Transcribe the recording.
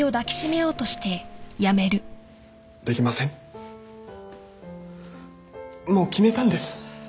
もう決めたんです。